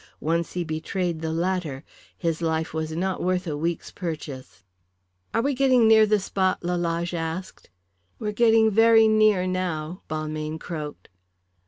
Once he betrayed the latter his life was not worth a week's purchase. "Are we getting near the spot?" Lalage asked. "We are getting very near now," Balmayne croaked.